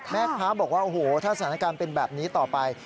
แม่ค้าบอกว่าโอ้โหถ้าสถานการณ์เป็นแบบนี้ต่อไป